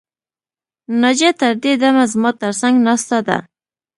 ناجیه تر دې دمه زما تر څنګ ناسته ده